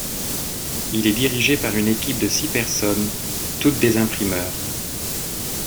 Il est dirigé par une équipe de six personnes, toutes des imprimeurs.